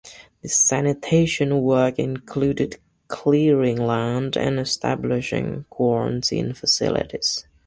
The sanitation work included clearing land and establishing quarantine facilities.